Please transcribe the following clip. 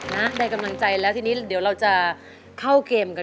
ได้กำลังใจแล้วทีนี้เดี๋ยวเราจะเข้าเกมกัน